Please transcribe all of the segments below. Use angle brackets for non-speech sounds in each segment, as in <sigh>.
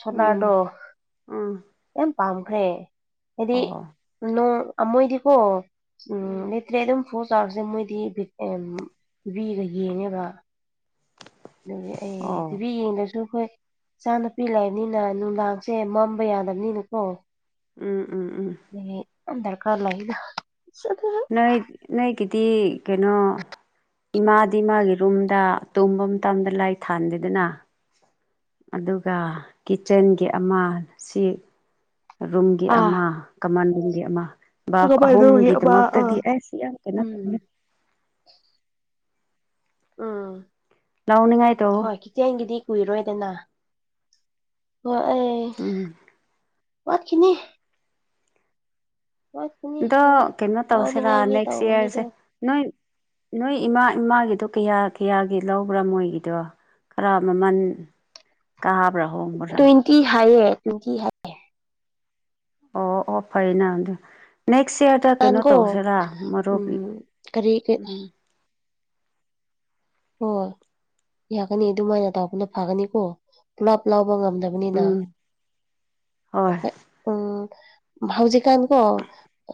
ꯁꯣꯅꯥꯗꯣ ꯎꯝ ꯎꯝ ꯌꯥꯝ ꯄꯥꯝꯈ꯭ꯔꯦ ꯍꯥꯏꯗꯤ ꯑꯣ ꯅꯣꯡ ꯑꯃꯃꯣꯏꯗꯤꯀꯣ ꯎꯝ ꯂꯩꯇ꯭ꯔꯦ ꯑꯗꯨꯝ ꯐꯣꯔ ꯆꯥꯎꯔꯁꯦ ꯃꯣꯏꯗꯤꯕꯤꯒ ꯌꯦꯡꯉꯦꯕ ꯑꯗꯨꯒꯤ ꯑꯩ ꯑꯣ ꯇꯤꯚꯤ ꯌꯦꯡꯗꯁꯨ ꯍꯈꯣꯏ ꯏꯆꯥ ꯅꯨꯨꯄꯤ ꯂꯩꯕꯅꯤꯅ ꯅꯨꯡꯗꯥꯡꯁꯦ ꯃꯝꯕ ꯌꯥꯗꯕꯅꯤꯅꯀꯣ ꯎꯝ ꯎꯝ ꯎꯝ ꯗꯔꯀꯔ ꯂꯩꯗ <unintelligible> ꯅꯜꯠ ꯅꯠ ꯀꯤꯗꯤ ꯀꯩꯅꯣ ꯏꯃꯥꯗꯤ ꯃꯥꯒꯤ ꯔꯨꯝꯗ ꯇꯨꯝꯕ ꯃꯇꯝꯗ ꯂꯥꯏ ꯊꯥꯟꯗꯦꯗꯅ ꯑꯗꯨꯒ ꯀꯤꯠꯆꯟꯒꯤ ꯑꯃ ꯁꯤ ꯔꯨꯝꯒꯤ ꯑꯥ ꯑꯃ ꯀꯃꯟ ꯔꯨꯝꯒꯤ ꯑꯃ ꯚꯞ ꯀꯃꯥꯏꯅꯧꯒꯤ ꯑꯃ ꯑꯍꯨꯝꯒꯤꯗꯃꯛꯇꯗꯤ ꯑꯥ ꯑꯩꯁꯤ ꯌꯥꯝ ꯀꯩꯅꯣ ꯎꯝ ꯇꯧꯅꯤ ꯎꯝ ꯂꯎꯅꯤꯡ ꯉꯥꯏ ꯇ‌ꯧꯋ‌ꫭ ꯆꯦꯡꯒꯤꯗꯤ ꯀꯨꯏꯔꯣꯏꯗꯅ ꯋꯥ ꯑꯩ ꯎꯝ ꯋꯥꯠꯈꯤꯅꯤ꯫ <unintelligible> ꯑꯗꯣ ꯈꯔ ꯀꯩꯅꯣ ꯇꯧꯁꯤꯔꯥ ꯂꯧꯅꯤꯡꯉꯥꯏꯒꯤ ꯅꯦꯛꯁ ꯇꯧꯕꯅꯤꯗꯣ ꯏꯌꯥꯔꯁꯦ ꯅꯣꯏ ꯅꯣꯏ ꯏꯃꯥ ꯏꯃꯥꯒꯤꯗꯣ ꯀꯌꯥ ꯀꯌꯥꯒꯤ ꯂꯧꯕ꯭ꯔꯥ ꯃꯣꯏꯒꯤꯗꯣ꯫ ꯈꯔ ꯃꯃꯟ ꯀꯥꯕ꯭ꯔꯥ ꯍꯣꯡꯕ꯭ꯔꯥ꯫ ꯇꯤ ꯍꯥꯏꯌꯦ ꯇꫭ꯭ꯋ‌ꯦꯟꯇꯤ ꯍꯥꯏ ꯑꯣ ꯑꯣ ꯐꯔ‌ꯦꯅ ꯑꯗꯨ ꯅꯦꯛꯁ ꯏꯌꯔ ꯗ ꯀꯩꯅꯣ ꯅꯍꯥꯟꯀꯣ ꯇꯧꯁꯤꯔꯥ ꯃꯔꯨꯞꯕꯤ ꯎꯝ ꯀꯔꯤ ꯀꯔꯤ ꯎꯝ ꯍꯣꯏ ꯌꯥꯒꯅꯤ ꯑꯗꯨꯃꯥꯏꯅ ꯇꯧꯄꯅ ꯐꯒꯅꯤꯀꯣ ꯄꯨꯂꯞ ꯂꯥꯎꯕ ꯉꯝꯗꯕ ꯅꯤꯅ ꯎꯝ ꯍꯣꯏ ꯎꯝ ꯍꯧꯖꯤꯛꯀꯥꯟ ꯀꯣ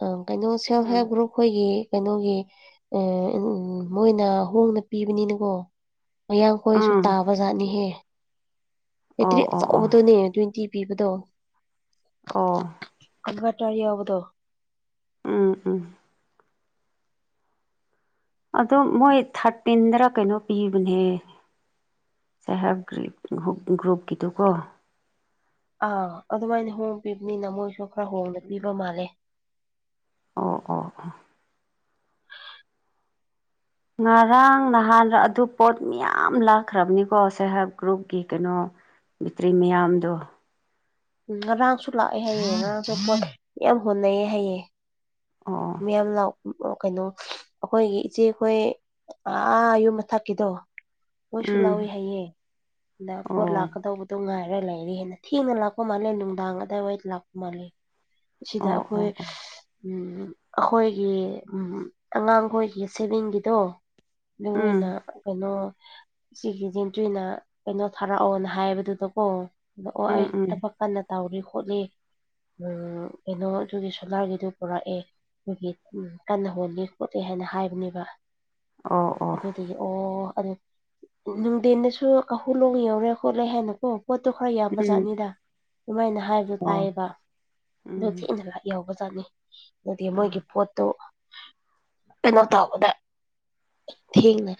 ꯑ ꯀꯩꯅꯣ ꯁꯦꯜ ꯎꯝ ꯍꯦꯞ ꯒꯔꯨꯞ꯫ ꯑꯩꯈꯣꯏꯒꯤ ꯀꯩꯅꯣꯒꯤ ꯑꯥ ꯃꯣꯏꯅ ꯍꯣꯡꯅ ꯄꯤꯕꯅꯤꯅꯀꯣ꯫ ꯃꯌꯥꯡꯈꯣꯏꯁꯨ ꯎꯝ ꯇꯥꯕ ꯖꯥꯠꯅꯤꯍꯦ ꯕꯦꯇ꯭ꯔꯤ ꯑꯣ ꯑꯣ ꯑꯣ ꯑꯆꯧꯕꯗꯨꯅꯦ ꯇ꯭ꯋꯦꯟꯇꯤ ꯄꯤꯕꯗꯣ꯫ ꯑꯣ꯫ ꯏꯟꯕꯇꯔ ꯌꯥꯎꯕꯗꯣ꯫ ꯎꯝ ꯎꯝ꯫ ꯑꯗꯣ ꯃꯣꯏ ꯊꯥꯔꯇꯤꯟꯗꯔ ꯀꯩꯅꯣ ꯄꯤꯕꯅꯦꯍ‌ꯦ꯫ ꯁꯦꯜ ꯍꯦꯞ ꯒꯔꯤ ꯒꯔꯨꯞ ꯒꯔꯨꯞꯀꯤꯗꯨꯀꯣ꯫ ꯑꯥ ꯑꯗꯨꯃꯥꯏꯅ ꯍꯣꯡꯅ ꯄꯕꯅꯤꯅ ꯃꯣꯏꯁꯨ ꯈꯔ ꯍꯣꯡꯅ ꯄꯤꯕ ꯃꯥꯜꯂꯦ꯫ ꯑꯣ ꯑꯣ ꯑꯣ꯫ ꯉꯔꯥꯡ ꯅꯍꯥꯟ ꯑꯗꯨ ꯄꯣꯠ ꯃꯌꯥꯝ ꯂꯥꯛꯈ꯭ꯔꯕꯅꯤꯀꯣ ꯁꯦꯜ ꯍꯦꯞ ꯒꯔꯨꯞꯀꯤ ꯀꯩꯅꯣ ꯕ‌ꯦꯇꯔꯤ ꯃꯌꯥꯝꯗꯣ꯫ ꯎꯝ ꯉꯔꯥꯡꯁꯨ ꯂꯥꯛꯑꯦ ꯍꯥꯏꯌꯦ ꯉꯔꯥꯡꯁꯨ ꯄꯣꯠ ꯌꯥꯝ ꯍꯣꯠꯅꯩꯌꯦ ꯍꯥꯏꯌꯦ꯫ ꯑꯣ ꯃꯤꯌꯥꯝ ꯂꯥꯎ ꯀꯩꯅꯣ ꯑꯩꯈꯣꯏꯒꯤ ꯏꯆꯦꯈꯣꯏ ꯑꯥ ꯌꯨꯝ ꯃꯊꯛꯀꯤꯗꯣ꯫ ꯃꯣꯏꯁꯨ ꯎꯝ ꯂꯧꯋꯤ ꯍꯥꯏꯌꯦ ꯑꯗ ꯄꯣꯠ ꯑꯣ ꯂꯥꯛꯀꯗꯧꯕꯗꯣ ꯉꯥꯏꯔ ꯂꯩꯔꯤ ꯍꯥꯏꯅ ꯊꯦꯡꯅ ꯂꯥꯛ ꯄ ꯃꯥꯜꯂꯦ ꯅꯨꯡꯗꯥꯡ ꯑꯗꯥꯏꯋꯥꯏꯗ ꯂꯥꯛꯄ ꯃꯥꯜꯂꯦ ꯁꯤꯗ ꯑꯣ ꯑꯩꯈꯣꯏ ꯑꯣ ꯎꯝ ꯑꯩꯈꯣꯏꯒꯤ ꯎꯝ ꯑꯉꯥꯡꯈꯣꯏꯒꯤ ꯁꯦꯚꯦꯡꯒꯤꯗꯣ꯫ ꯎꯝ ꯑꯗꯨꯃꯥꯏꯅ ꯀꯩꯅꯣ ꯁꯤꯒꯤ <unintelligible> ꯀꯩꯅꯣ ꯊꯥꯔꯛꯑꯣꯅ ꯍꯥꯏꯕꯗꯨꯗꯀꯣ꯫ ꯑꯗ ꯑꯣ ꯎꯝ ꯑꯩ ꯎꯝ ꯊꯕꯛ ꯀꯟꯅ ꯇꯧꯔꯤ ꯈꯣꯠꯂꯤ꯫ ꯎꯝ ꯀꯩꯅꯣ ꯑꯗꯨꯒꯤ ꯁꯣꯅꯥꯒꯤꯗꯨ ꯄꯨꯔꯛꯑꯦ꯫ ꯑꯗꯨꯒꯤ ꯀꯟꯅ ꯍꯣꯜꯂꯤ ꯈꯣꯠꯂꯤ ꯍꯥꯏꯅ ꯍꯥꯏꯕꯅꯦꯕ ꯑꯣ ꯑꯣ ꯑꯗꯨꯗꯨꯒꯤ ꯑꯣ ꯑꯗꯨ ꯅꯨꯡꯗꯦꯟꯗꯁꯨ ꯀꯥꯈꯨꯂꯣꯡ ꯌꯧꯔꯦ ꯈꯣꯠꯂꯦ ꯍꯥꯏꯅꯀꯣ ꯄꯣꯠꯇꯣ ꯈꯔ ꯌꯥꯝꯕ ꯎꯝ ꯖꯥꯠꯅꯤꯗ꯫ ꯑꯗꯨꯃꯥꯏꯅ ꯍꯥꯏꯕꯗꯣ ꯑꯣ ꯇꯥꯏꯌꯦꯕ ꯑꯗꯨ ꯎꯝ ꯊꯦꯡꯗꯔ ꯌꯧꯕ ꯖꯥꯠꯅꯤ꯫ ꯑꯗꯨꯗꯤ ꯃꯣꯏꯒꯤ ꯑꯥ ꯄꯣꯠꯇꯨ ꯀꯩꯅꯣ ꯇꯧꯕꯗ ꯊꯦꯡꯅ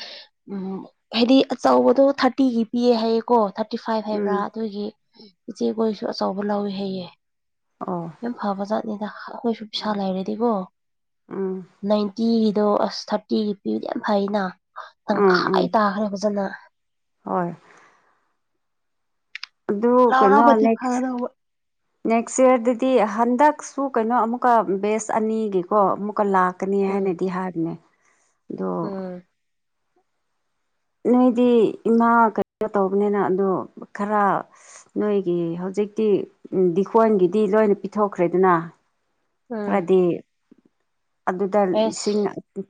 ꯎꯝ ꯍꯥꯏꯗꯤ ꯑꯆꯧꯕꯗꯣ ꯊꯥꯔꯇꯤꯒꯤ ꯄꯤꯌꯦ ꯍꯥꯏꯌꯦꯀꯣ ꯊꯥꯔꯇꯤ ꯐꯥꯏꯕ ꯍꯥꯏꯕ꯭ꯔꯥ ꯎꯝ ꯑꯗꯨꯒꯤ ꯏꯆꯦꯈꯣꯏꯁꯨ ꯑꯆꯧꯕ ꯂꯧꯋꯦ ꯍꯥꯏꯌꯦ꯫ ꯑꯣ꯫ ꯌꯥꯝ ꯐꯕ ꯖꯥꯠꯅꯤꯗ ꯑꯩꯈꯣꯏꯁꯨ ꯄꯩꯁꯥ ꯎꯝ ꯂꯩꯔꯗꯤꯀꯣ ꯎꯝ ꯅꯥꯏꯟꯇꯤꯒꯤꯗꯣ ꯑꯁ ꯊꯥꯔꯇꯤꯒꯤ ꯄꯤꯔꯗꯤ ꯌꯥꯝ ꯐꯩꯌ‌ꯦꯅ ꯎꯝ ꯇꯪꯈꯥꯏ ꯎꯝ ꯇꯥꯈ꯭ꯔꯦ ꯐꯖꯅ꯫ ꯍꯣꯏ꯫ ꯑꯗꯨ ꯀꯩꯅꯣ ꯂꯥꯎꯔꯕꯗꯤ ꯅꯦꯛꯁ ꯐꯒꯗꯧꯕ ꯅꯦꯛꯁ ꯏꯌꯥꯔꯗꯗꯤ ꯍꯟꯗꯛꯁꯨ ꯀꯩꯅꯣ ꯑꯃꯨꯛꯀ ꯕꯦꯁ ꯑꯅꯤꯒꯤꯀꯣ ꯑꯃꯨꯛꯀ ꯂꯥꯛ ꯀꯅꯤ ꯎꯝ ꯍꯥꯏꯅꯗꯤ ꯍꯥꯏꯕꯅꯦ꯫ ꯑꯗꯣ ꯎꯝ꯫ ꯅꯣꯏꯗꯤ ꯏꯃꯥ ꯀꯔꯤꯅꯣ ꯇꯧꯕꯅꯤꯅ ꯑꯗꯣ ꯈꯔ꯫ ꯅꯣꯏꯒꯤ ꯍꯧꯖꯤꯛꯇꯤ ꯗꯤꯈꯣꯟꯒꯤꯗꯤ ꯂꯣꯏꯅ ꯄꯤꯊꯣꯛꯈ꯭ꯔꯦꯗꯅ꯫ ꯎꯝ ꯈꯔꯗꯤ ꯑꯗꯨꯗ ꯑꯦꯁ ꯂꯤꯁꯤꯡ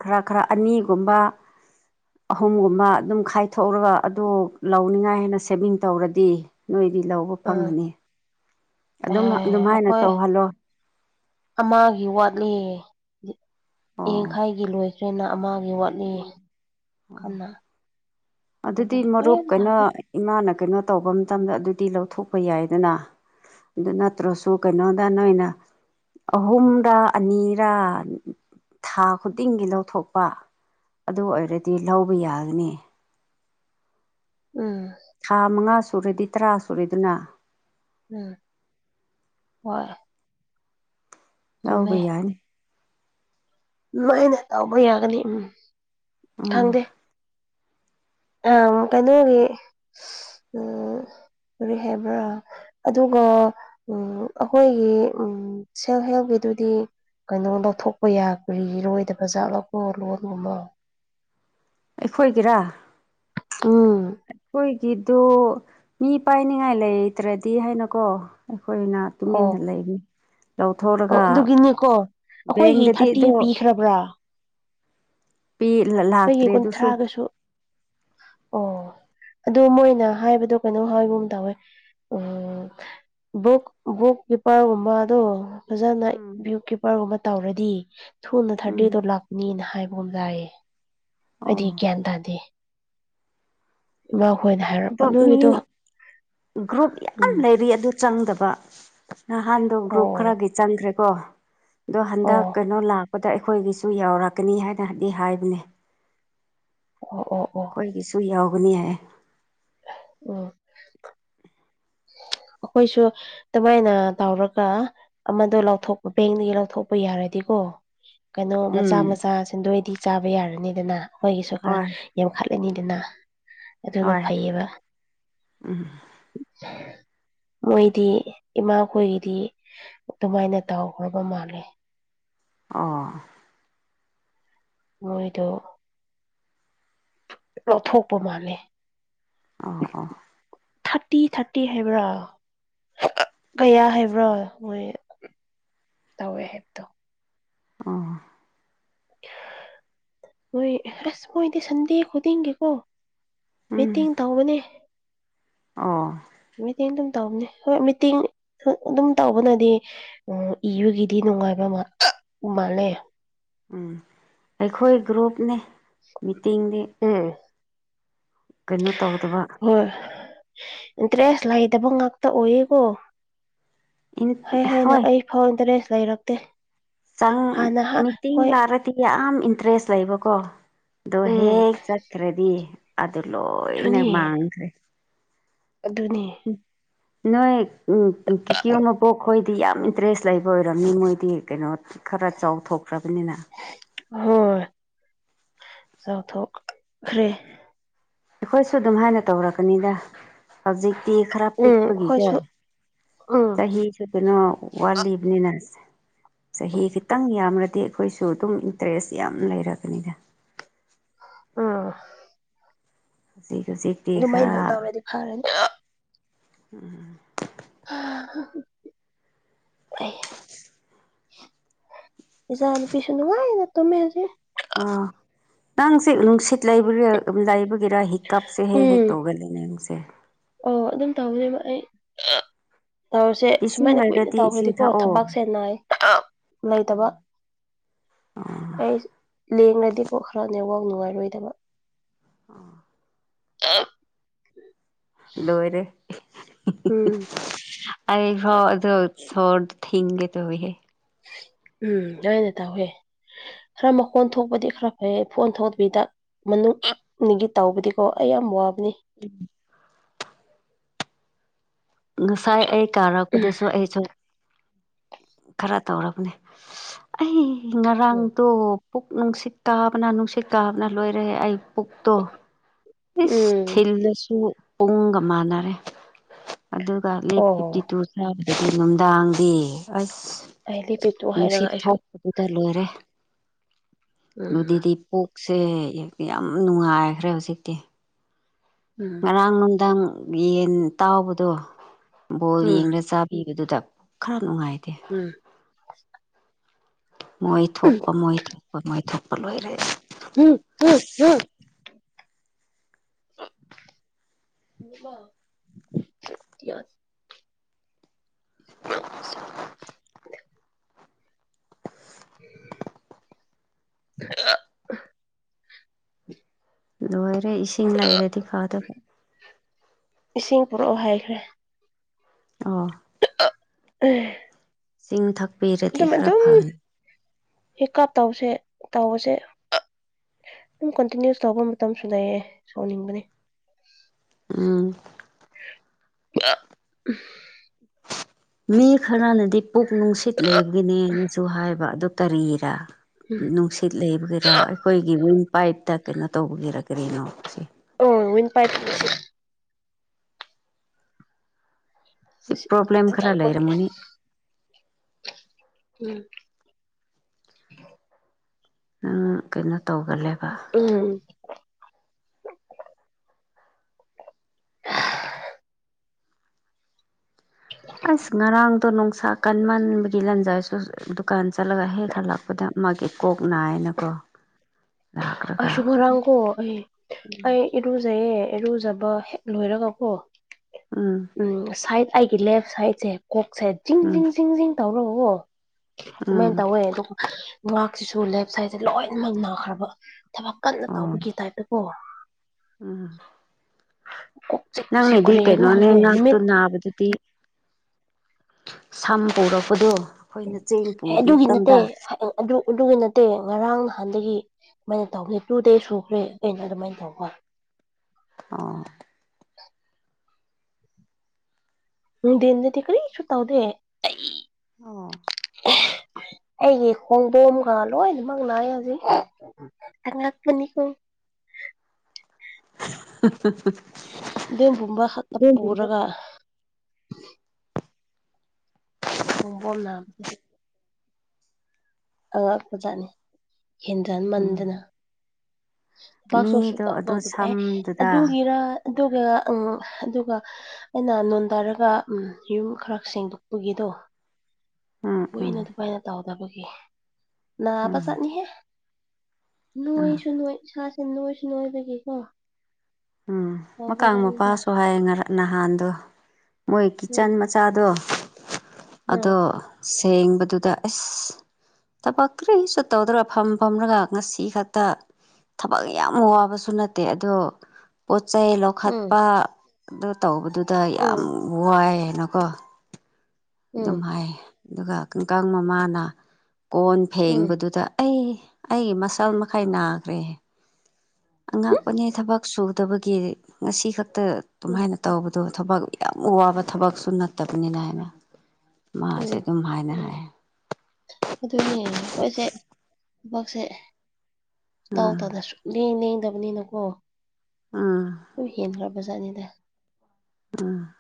ꯈꯔ ꯈꯔ ꯑꯅꯤꯒꯨꯝꯕ꯫ ꯑꯍꯨꯝꯒꯨꯝꯕ ꯑꯗꯨꯝ ꯈꯥꯏꯊꯣꯛꯔꯒ ꯑꯗꯨ ꯂꯧꯅꯤꯉꯥꯏ ꯍꯥꯏꯅ ꯁꯦꯚꯤꯡ ꯇꯧꯔꯗꯤ ꯅꯣꯏꯗꯤ ꯂꯧꯕ ꯎꯝ ꯐꯪꯒꯅꯤ ꯑꯗꯨꯝ ꯑꯦ ꯑꯗꯨꯝꯍꯥꯏꯅ ꯑꯩꯈꯣꯏ ꯇꯧꯍꯜꯂꯣ ꯑꯃꯒꯤ ꯋꯥꯠꯂꯤ ꯑꯣ ꯌꯦꯡꯈꯥꯏꯒꯤ ꯂꯣꯏꯈ ꯇ꯭ꯔꯦꯅ ꯑꯃꯒꯤ ꯋꯥꯠꯂꯤ ꯀꯟꯅ ꯑꯗꯨꯗꯤ ꯃꯔꯨꯞ ꯍꯣꯔꯦꯟ ꯀꯩꯅꯣ ꯇꯥꯕꯤ ꯏꯃꯥꯅ ꯀꯩꯅꯣ ꯇꯧꯕ ꯃꯇꯝꯗ ꯑꯗꯨꯗꯤ ꯂꯧꯊꯣꯛꯄ ꯌꯥꯏꯗꯅ ꯑꯗꯨ ꯅꯠꯇ꯭ꯔꯁꯨ ꯀꯩꯅꯣꯗ ꯅꯣꯏꯅ ꯑꯍꯨꯝꯔ ꯑꯅꯤꯔ ꯊꯥ ꯈꯨꯗꯤꯡꯒꯤ ꯂꯧꯊꯣꯛꯄ ꯑꯗꯨ ꯑꯣꯏꯔꯗꯤ ꯂꯧꯕ ꯌꯥꯒꯅꯤ ꯎꯝ ꯊꯥ ꯃꯉꯥ ꯁꯨꯔꯦꯗꯤ ꯇꯔꯥ ꯁꯨꯔꯦꯗꯨꯅ ꯎꯝ ꯍꯣꯏ ꯂꯧꯕ ꯆꯨꯝꯃꯦ ꯌꯥꯅꯤ ꯂꯣꯏꯅ ꯇꯧꯕ ꯌꯥꯒꯅꯤ ꯎꯝ ꯎꯝ ꯈꯪꯗꯦ ꯑ ꯀꯩꯅꯣꯒꯤ ꯎ ꯀꯔꯤ ꯍꯥꯏꯕ꯭ꯔꯥ ꯑꯗꯨꯒ ꯑꯩꯈꯣꯏꯒꯤ ꯁꯦꯜꯐ ꯍꯦꯜꯞꯀꯤꯗꯨꯗꯤ ꯀꯩꯅꯣ ꯂꯧꯊꯣꯛꯄ ꯌꯥ ꯀꯔꯤꯔꯣꯏꯗꯕꯖꯥꯥꯛꯠ ꯂꯧꯀꯣ ꯂꯣꯟꯒꯨꯝꯃꯣ ꯑꯩꯈꯣꯏꯒꯤꯔꯥ ꯎꯝ ꯈꯣꯏꯒꯤꯗꯣ ꯃꯤ ꯄꯥꯏꯅꯤꯡꯉꯥꯏ ꯂꯩꯇ꯭ꯔꯗꯤ ꯍꯥꯏꯅꯀꯣ ꯑꯩꯈꯣꯏꯅ ꯑꯣ ꯇꯨꯃꯤꯟꯅ ꯂꯩꯅꯤ ꯑꯣ ꯂꯧꯊꯣꯛꯣꯔꯒ ꯑꯗꯨꯒꯤꯅꯤꯀꯣ ꯕꯦꯡꯗꯗꯤ ꯑꯗꯣ ꯈꯠꯇ꯭ꯔꯕ꯭ꯔꯥ <inaudible> ꯄꯤꯂ <inaudible> ꯑꯩꯈꯣꯏꯒꯤ ꯀꯨꯟꯊ꯭ꯔꯥꯒꯁꯨ ꯑꯣ ꯑꯗꯨꯗ ꯃꯣꯏꯅ ꯍꯥꯏꯕꯗꯣ ꯀꯩꯅꯣꯝ ꯍꯥꯏꯒꯨꯝ ꯇꯧꯋꯦ ꯎ ꯕꯨꯛ ꯕꯨꯛ ꯀꯤꯄꯔꯒꯨꯝꯝꯕ ꯑꯗꯨꯣ ꯐꯖꯅ ꯎꯝ ꯚ꯭ꯌꯨ ꯀꯤꯞꯄꯔꯒꯨꯝꯕ ꯇꯧꯔꯗꯤ ꯊꯨꯅ ꯎꯝ ꯊꯥꯔꯗꯦꯗꯣ ꯂꯥꯛꯄꯅꯤꯅ ꯍꯥꯏꯕꯒꯨꯝ ꯂꯥꯛꯌꯦ ꯑꯣ ꯑꯩꯗꯤ ꯒ꯭ꯌꯥꯟ ꯇꯥꯗꯦ ꯏꯃꯥ ꯈꯣꯏꯅ ꯍꯥꯏꯔꯛ ꯑꯗꯣ ꯃꯤ ꯒ꯭ꯔꯨꯞ ꯌꯥꯝ ꯎꯝ ꯂꯩꯔꯤ ꯑꯗꯨ ꯆꯪꯗꯕ ꯅꯍꯥꯟꯗꯣ ꯒ꯭ꯔꯨꯞ ꯑꯣ ꯈꯔꯒꯤ ꯆꯪꯈ꯭ꯔꯦꯀꯣ ꯑꯗꯣ ꯍꯟꯗꯛ ꯑꯣ ꯀꯩꯅꯣ ꯂꯥꯛꯄꯗ ꯑꯩꯈꯣꯏꯒꯤꯁꯨ ꯌꯥꯎꯔꯛꯀꯅꯤ ꯍꯥꯏꯅꯗꯤ ꯍꯥꯏꯕꯅꯦ ꯑꯣ ꯑꯣ ꯑꯣ ꯑꯩꯈꯣꯏꯒꯤꯁꯨ ꯌꯥꯎꯒꯅꯤ ꯍꯥꯏ ꯎꯝ ꯑꯈꯣꯏꯁꯨ ꯑꯗꯨꯃꯥꯏꯅ ꯇꯧꯔꯒ ꯑꯃꯗꯣ ꯂꯧꯊꯣꯛꯄ ꯕꯦꯡꯗꯒꯤ ꯂꯧꯊꯣꯛꯄ ꯌꯥꯔꯗꯤꯀꯣ ꯀꯩꯅꯣ ꯃꯆꯥ ꯎꯝ ꯃꯆꯥ ꯁꯦꯟꯗꯣꯏꯗꯤ ꯆꯥꯕ ꯌꯥꯔꯅꯤꯗꯅ ꯑꯩꯣꯏꯒꯤꯁꯨ ꯈꯔ ꯍꯣꯏ ꯎꯝ ꯌꯥꯝꯡꯈꯠꯂꯅꯤꯗꯅ ꯍꯣꯏ ꯎꯝ ꯆ <inaudible> ꯃꯣꯏꯗꯤ ꯏꯃꯥꯈꯣꯏꯒꯤꯗꯤ ꯑꯗꯨꯃꯥꯏꯅ ꯇꯥꯎꯈ꯭ꯔꯕ ꯃꯥꯜꯂꯦ ꯑꯣ ꯃꯣꯏꯗꯣ ꯂꯧꯊꯣꯛꯄ ꯃꯥꯜꯂꯦ ꯎꯝ ꯎꯝ ꯊꯥꯔꯇꯤ ꯊꯥꯔꯇꯤ ꯍꯥꯏꯕ꯭ꯔꯥ ꯀꯌꯥ ꯍꯥꯏꯕ꯭ꯔꯣ ꯃꯣꯏ ꯇꯧꯋꯦ ꯍꯥꯏꯕꯗꯣ ꯎꯝ <inaudible> ꯃꯣꯏ ꯑꯁ ꯃꯣꯏꯗꯤ ꯁꯟꯗꯦ ꯈꯨꯗꯤꯡꯒꯤꯀꯣ ꯎꯝ ꯃꯤꯦꯠꯇꯤꯡ ꯇꯧꯕꯅꯦ ꯑꯣ ꯃꯤꯇꯤꯡ ꯑꯗꯨꯝ ꯇꯧꯕꯅꯤ ꯍꯣꯏ ꯃꯤꯇꯤꯡ ꯑꯗꯨꯝ ꯇꯧꯕꯅꯗꯤ ꯎꯝ ꯏꯕꯒꯤꯗꯤ ꯅꯨꯡꯉꯥꯏꯕ ꯃꯥꯜꯂꯦ ꯎꯝ ꯑꯩꯈꯣꯏ ꯒ꯭ꯔꯨꯞꯅꯦ ꯃꯤꯇꯤꯡꯗꯤ ꯎꯝ ꯀꯩꯅꯣ ꯇꯧꯗꯕ ꯍꯣꯏ ꯏꯟꯇꯔꯦꯁ ꯂꯩꯇꯕ ꯉꯥꯛꯇ ꯑꯣꯏꯌꯦꯀꯣ ꯏꯟ ꯍꯥꯏꯩ ꯍꯥꯏꯅ ꯍꯣꯏ ꯑꯩ ꯐꯥꯎ ꯏꯟꯇꯔꯦꯁ ꯂꯩꯔꯛꯇꯦ ꯁ ꯍꯥꯟꯅ ꯍꯥ ꯃꯤꯇ ꯍꯣꯏ ꯋꯥꯔ ꯤ ꯌꯥꯝ ꯏꯟꯇꯔꯦꯁ ꯂꯩꯕꯀꯣ ꯑꯗꯣ ꯎꯝ ꯍꯦꯛ ꯆꯠꯈ꯭ꯔꯗꯤ ꯑꯗꯨ ꯂꯣꯏꯅ ꯑꯗꯨꯅꯤ ꯃꯥꯡꯈ꯭ꯔꯦ ꯑꯗꯨꯅꯤ ꯎ ꯅꯣꯏ ꯎ ꯀꯤꯀꯤꯌ ꯃꯄꯣꯛꯈꯣꯏꯗꯤ ꯌꯥꯝ ꯏꯟꯇꯔꯦꯁ ꯂꯩꯕ ꯑꯣꯏꯔꯝꯅꯤ ꯃꯣꯏꯗꯤ ꯀꯩꯅꯣ ꯈꯔ ꯆꯥꯎꯊꯣꯛꯈ꯭ꯔꯕꯅꯤꯅ ꯍꯣꯏ ꯆꯥꯎꯊꯣꯛꯈ꯭ꯔꯦ ꯑꯩꯈꯣꯏꯁꯨ ꯑꯗꯨꯝ ꯍꯥꯏꯅ ꯇꯧꯔꯛꯀꯅꯤꯗ ꯍꯧꯖꯤꯛꯇꯤ ꯈꯔ ꯎꯝ ꯄꯤꯛꯄꯒꯤꯀꯣ ꯍꯣꯏꯁꯨ ꯎꯝ ꯆꯍꯤ ꯀꯩꯅꯣ ꯋꯥꯠꯂꯤꯕꯅꯤꯅ ꯆꯍꯤ ꯈꯤꯇꯪ ꯌꯥꯝꯔꯗꯤ ꯑꯩꯈꯣꯏꯁꯨ ꯑꯗꯨꯝ ꯏꯟꯇꯔꯦꯁ ꯌꯥꯝ ꯂꯩꯔꯕꯅꯤꯅ ꯑꯥ ꯍꯧꯖꯤꯛ ꯍꯧꯖꯤꯛꯇꯤ ꯑꯗꯨꯃꯥꯏꯅ ꯈꯔ ꯇꯧꯔꯗꯤ ꯐꯔꯅꯤ ꯎꯝ ꯎꯝ ꯖꯥꯅꯤ ꯄꯁꯨꯅꯅꯨꯡꯉꯥꯏꯅ ꯇꯃꯦꯖꯤꯦ ꯑꯣ ꯅꯪꯁ ꯅꯨꯡꯁꯤꯠ ꯂꯩꯕ ꯂꯩꯕꯒꯤꯔꯥ ꯍ ꯍꯤꯀꯞꯁꯦ ꯍꯦꯛ ꯍꯦꯛ ꯎꯝ ꯇꯧꯒꯜꯂꯤꯅꯦ ꯅꯁꯦ ꯑꯣ ꯑꯗꯨꯝ ꯇꯧꯖꯕ ꯑꯩ ꯇꯧꯔꯁꯦ ꯏꯁꯤꯡ ꯁꯨꯃꯥꯏꯅ ꯀꯨꯏꯅ ꯂꯩꯔꯗꯤ ꯏꯁꯤꯡ ꯇꯧꯈ꯭ꯔꯗꯤꯀꯣ ꯊꯛꯑꯣ ꯊꯕꯥꯛ ꯁꯦ ꯅꯥꯏ ꯂꯩꯇꯕ ꯑꯩ ꯂꯦꯡꯉꯗꯤꯀꯣ ꯈꯔꯅꯦꯋ ꯅꯨꯡꯉꯥꯏꯔꯣꯏꯗꯕ ꯑ ꯑ ꯂꯔꯦ ꯎꯝ ꯑꯩꯐꯥꯎ ꯑꯗꯣ ꯁꯣꯔ ꯊꯤꯡꯒꯦ ꯇꯧꯍꯦ ꯎꯝ ꯑꯅ ꯇꯧꯋꯦ ꯈꯔ ꯃꯈꯣꯟ ꯊꯣꯛꯄꯗꯤ ꯈꯔ ꯐꯩ ꯐꯣꯟ ꯊꯣꯛꯇꯕꯤꯗ ꯃꯅꯨꯡꯒꯤ ꯇꯥꯎꯕꯗꯤꯀꯣ ꯑꯩ ꯌꯥꯝ ꯋꯥꯕꯅꯤ ꯎꯝ ꯉꯁꯥꯏ ꯑꯩ ꯀꯥꯔꯛꯄꯗꯁꯨ ꯑꯩꯁꯨ ꯈꯔ ꯇꯧꯔꯕꯅꯦ ꯑꯩ ꯎꯝ ꯉꯔꯥꯡꯗꯣ ꯄꯨꯛ ꯅꯨꯡꯁꯤꯠ ꯀꯥꯕꯅ ꯅꯨꯡꯁꯤꯠ ꯀꯥꯕꯅ ꯂꯣꯏꯔꯦ ꯑꯩ ꯄꯨꯛꯇꯣ ꯏꯁ ꯎꯝ ꯊꯤꯜꯗꯁꯨ ꯄꯨꯡꯒ ꯃꯥꯟꯅꯔꯦ ꯑꯗꯨꯒ ꯂꯦꯞ ꯐꯤꯞꯇꯤ ꯑꯣ ꯇꯨ ꯆꯥꯕꯗꯗꯤ ꯅꯨꯡꯗꯥꯡꯗꯤ ꯑꯁ ꯑꯗꯤ ꯅꯨꯡꯁꯤꯠ ꯊꯣꯛꯄꯗꯨꯗ ꯂꯣꯏꯔꯦ ꯎꯝ ꯑꯗꯨꯗꯤꯗꯤ ꯄꯣꯛ ꯁꯦ ꯌꯥꯝ ꯅꯨꯡꯉꯥꯏꯈ꯭ꯔꯦ ꯍꯧꯖꯤꯛꯇꯤ ꯎꯝ ꯉꯔꯥꯡ ꯅꯨꯡꯗꯥꯡ ꯌꯦꯟ ꯇꯥꯎꯕꯗꯣ ꯕꯣꯜ ꯎꯝ ꯌꯦꯡꯒ ꯆꯥ ꯏꯕꯗꯨꯗ ꯈꯔ ꯅꯨꯡꯉꯥꯏꯇꯦ ꯎꯝ ꯃꯣꯏ ꯊꯣꯛꯄ ꯃꯣꯏ ꯊꯣꯛꯄ ꯃꯣꯏ ꯊꯣꯛꯄ ꯂꯣꯏꯔꯦ ꯎꯝ ꯎꯝ ꯎꯝ <unintelligible> <unintelligible> <inaudible> ꯂꯣꯏꯔꯦ ꯏꯁꯤꯡ ꯂꯩꯔꯗꯤ ꯐꯗꯕ ꯏꯁꯤꯡ ꯄꯨꯔꯛꯑꯣ ꯍꯥꯏꯈ꯭ꯔꯦ ꯑꯣ <unintelligible> ꯆꯤꯡ ꯊꯛꯄꯤꯔꯗꯤ ꯈꯔ ꯐꯒꯅꯤ ꯍꯤꯛꯀ ꯇꯧꯁꯦ ꯇꯧꯕꯁꯦ ꯑꯗꯨꯝ ꯀꯟꯇꯤꯅ꯭ꯌꯨꯁ ꯇꯧꯕ ꯃꯇꯝꯁꯨ ꯂꯩꯌꯦ ꯁꯥꯎꯅꯤꯡꯕꯅꯦ ꯎꯝ <unintelligible> ꯃꯤ ꯈꯔꯅꯗꯤ ꯄꯨꯛ ꯅꯨꯡꯁꯤꯠ ꯂꯩꯕꯒꯤꯅꯦꯅꯁꯨ ꯍꯥꯏꯕ ꯑꯗꯨ ꯇꯔꯤꯔ ꯎꯝ ꯅꯨꯡꯁꯤꯠ ꯂꯩꯕꯒꯔꯥ ꯑꯩꯈꯣꯏꯒꯤ ꯋꯤꯡ ꯄꯥꯏꯞꯇ ꯀꯩꯅꯣ ꯇꯧꯕꯒꯤꯔ ꯀꯔꯤꯅꯣ ꯁꯤ ꯑꯣ ꯋꯤꯟ ꯄꯥꯏ <unintelligible> ꯁꯤ ꯄ꯭ꯔꯣꯕ꯭ꯂꯦꯝ ꯈꯔ ꯂꯩꯔꯝꯃꯨꯅꯤ ꯎꯝ ꯑꯥ ꯀꯩꯅꯣ ꯇꯧꯒꯂꯦꯕ ꯎꯝ ꯑꯁ ꯉꯔꯥꯡꯗꯣ ꯅꯨꯡꯁꯥ ꯀꯟꯃꯟꯕꯒꯤ ꯂꯟꯖꯥꯏꯁꯨ ꯗꯨꯀꯥꯟ ꯆꯠꯂꯒ ꯍꯦꯛ ꯍꯜꯂꯛꯄꯗ ꯃꯥꯒꯤ ꯀꯣꯛ ꯅꯥꯏꯅꯀꯣ ꯂꯥꯛꯈ꯭ꯔꯒ ꯑꯁꯨꯨꯒꯔ ꯀꯣ ꯑꯩ ꯑꯩ ꯑꯦꯔꯨꯖꯥꯏꯌꯦ ꯑꯦꯔꯨꯖꯕ ꯍꯦꯛ ꯂꯣꯏꯔꯒ ꯀꯣ ꯎꯝ ꯎꯝ ꯁꯥꯏꯠ ꯑꯩꯒꯤ ꯂꯦꯐ ꯁꯥꯏꯠꯁꯦ ꯀꯣꯛꯁꯦ ꯖꯤꯡ ꯎꯝ ꯖꯤꯡ ꯖꯤꯡ ꯖꯤꯡ ꯇꯧꯔ ꯎꯝ ꯑꯗꯨꯃꯥꯏꯅ ꯇꯧꯋꯦ ꯑꯗꯨꯒ ꯃꯥꯛꯁꯤꯁꯨ ꯂꯦꯞ ꯁꯥꯏꯠꯁꯦ ꯂꯣꯏꯅꯃꯛ ꯅꯥꯈ꯭ꯔꯕ ꯊꯕꯛ ꯀꯟꯅ ꯑꯣ ꯇꯧꯕꯒꯤ ꯇꯥꯏꯞꯇꯀꯣ <unintelligible> <unintelligible> ꯀꯔꯤꯒꯅꯣ <unintelligible> ꯅꯨꯃꯤꯠ ꯑꯕꯗꯨꯗꯤ ꯁꯝ ꯄꯨꯔꯛꯄꯗꯣ ꯑꯩꯈꯣꯏꯅ ꯆꯦꯡ ꯄꯨꯕ ꯑꯗꯨꯒꯤ ꯅꯠꯇꯦ ꯃꯇꯝꯗ ꯑꯗꯨ ꯑꯗꯨꯒꯤ ꯅꯠꯇꯦ ꯉꯔꯥꯡ ꯅꯍꯥꯟꯗꯒꯤ ꯁꯃꯥꯏꯅ ꯇꯧꯒꯦ ꯇꯨ ꯗꯦꯖ ꯁꯨꯈ꯭ꯔꯦ ꯑꯩꯅꯥ ꯑꯗꯨꯃꯥꯏꯅ ꯇꯧꯕ <inaudible> ꯑꯣ ꯅꯨꯡꯗꯟꯗꯗꯤ ꯀꯔꯤꯁꯨ ꯇꯥꯎꯗꯦ ꯑꯩ ꯑꯣ ꯑꯩꯒꯤ ꯈꯣꯡꯕꯣꯝꯒ ꯂꯣꯏꯅꯃꯛ ꯅꯥꯏ ꯍꯧꯖꯤꯛ ꯑꯉꯥꯛꯄꯅꯤ ꯀꯣ <unintelligible> ꯑꯗꯨ ꯄꯨꯝꯕ ꯈꯛꯇ ꯄꯨꯔꯒ ꯈꯣꯝꯕꯣꯝ ꯅꯥꯕꯅꯦ <inaudible> ꯑꯉꯛꯄꯖꯥꯅꯤ ꯍꯦꯟꯊꯍꯟꯃꯟꯗꯅ ꯄꯥꯛꯁꯨ ꯃꯤꯗꯣ ꯑꯗꯣ ꯁꯨꯡꯇꯧꯗꯕꯅꯦ ꯁꯝꯗꯨꯗ ꯑꯗꯨꯒꯤꯔ ꯑꯗꯨꯒ ꯎꯝ ꯑꯗꯨꯒ ꯑꯩꯅ ꯅꯣꯟꯗꯥꯔꯒ ꯎꯝ ꯌꯨꯝ ꯈꯔ ꯁꯦꯡꯗꯣꯛꯄꯒꯤꯗꯣ ꯎꯝ ꯎꯝ ꯀꯨꯏꯅ ꯑꯗꯨꯃꯥꯏꯅ ꯇꯧꯗꯕꯒꯤ ꯅꯥꯕ ꯎꯝ ꯖꯥꯠꯅꯤꯍꯦ ꯎꯝ ꯅꯣꯏꯁꯨ ꯅꯣꯏ ꯏꯁꯥꯥꯁꯦ ꯅꯣꯏꯁꯨ ꯅꯣꯏꯕꯒꯤꯀꯣ ꯎꯝ ꯃꯀꯥꯡ ꯇꯧꯕꯖꯥꯠꯅꯤꯗ ꯃꯄꯥꯁꯨ ꯍꯥꯏꯌꯦ ꯅꯍꯥꯟꯗꯣ ꯃꯣꯏ ꯎꯝ ꯀꯤꯠꯆꯟ ꯃꯆꯥꯗꯣ ꯑꯗꯣ ꯁꯦꯡꯕꯗꯨꯗ ꯑꯦꯁ ꯊꯕꯛ ꯀꯔꯤꯁꯨ ꯇꯧꯗ꯭ꯔ ꯐꯝ ꯐꯝꯂꯒ ꯉꯁꯤ ꯈꯛꯇ ꯊꯕꯛ ꯌꯥꯝ ꯋꯥꯕꯁꯨ ꯅꯠꯇꯦ ꯑꯗꯣ ꯄꯣꯠ ꯆꯩꯩ ꯎꯝ ꯂꯧꯈꯠꯄ ꯑꯗꯨ ꯇꯧꯕꯗꯨꯗ ꯌꯥꯝ ꯎꯝ ꯋꯥꯏ ꯍꯥꯏꯅꯀꯣ ꯑꯗꯨꯝ ꯎꯝ ꯍꯥꯏ ꯑꯗꯨꯒ ꯀꯥꯡꯀꯥꯡ ꯃꯃꯥꯅ ꯀꯣꯟ ꯎꯝ ꯎꯝ ꯐꯦꯡꯕꯗꯨꯗ ꯑꯩ ꯑꯩꯒꯤ ꯃꯁꯜ ꯃꯈꯩ ꯅꯥꯈ꯭ꯔꯦ ꯑꯉꯥꯛꯄꯅ‌ꯦ ꯊꯕꯛ ꯁꯨꯗꯕꯒꯤ ꯉꯁꯤ ꯈꯛꯇ ꯎꯝ ꯑꯗꯨꯃꯥꯏꯅ ꯇꯧꯕꯗꯣ ꯊꯕꯛ ꯌꯥꯝ ꯋꯥꯕ ꯊꯕꯛꯁꯨ ꯅꯠꯇꯕꯅꯤꯅ ꯍꯥꯏꯅ ꯃꯥꯁꯦ ꯑꯗꯨꯝ ꯍꯥꯏꯅ ꯍꯥꯏꯌꯦ ꯑꯗꯨꯅꯤ ꯑꯩꯈꯣꯏꯁꯦ ꯊꯕꯛꯁꯦ ꯏꯇꯧ ꯇꯧꯗꯔꯁꯨ ꯂꯦꯡ ꯂꯦꯡꯗꯕꯅꯤꯅꯀꯣ ꯎꯝ ꯁꯨꯝ ꯍꯦꯟꯈ꯭ꯔꯕ ꯖꯥꯠꯅꯤꯗ ꯎꯝ